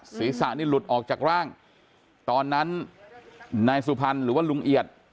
ศีรษะนี่หลุดออกจากร่างตอนนั้นนายสุพรรณหรือว่าลุงเอียด